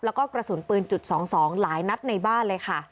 แล้วก็กระสุนปืนจุด๒๒หลายนัดในบ้านเลยค่ะ